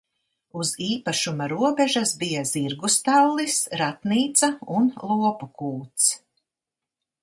Uz īpašuma robežas bija zirgu stallis, ratnīca un lopu kūts.